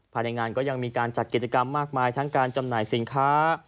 ภายในงานก็ยังมีการจัดกิจกรรมมากมายทั้งการจำหน่ายสินค้า